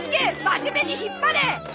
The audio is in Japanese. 真面目に引っ張れ！